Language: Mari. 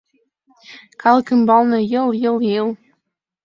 Калык ӱмбалне йыл-йыл-йыл.